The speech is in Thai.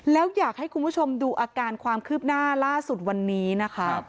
แล้วอยากให้คุณผู้ชมดูอาการความคืบหน้าล่าสุดวันนี้นะคะ